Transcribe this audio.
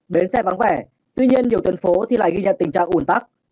bến xe vắng vẻ tuy nhiên nhiều tuyến phố thì lại ghi nhận tình trạng ủn tắc